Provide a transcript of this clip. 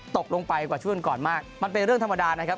ตกลงไปกว่าช่วงก่อนมากมันเป็นเรื่องธรรมดานะครับ